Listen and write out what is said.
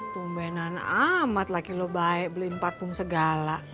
tumbenan amat laki lo baik beliin parfum segala